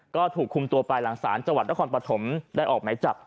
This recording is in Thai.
ก็ถูกคุมตัวไปหลังศาลจังหวัดนครปฐมได้ออกไหมจับ